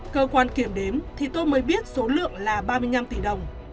cơ quan kiểm đếm thì tôi mới biết số lượng là ba mươi năm tỷ đồng